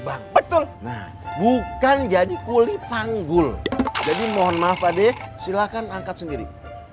betul bukan jadi kulit panggul jadi mohon maaf adik silakan angkat sendiri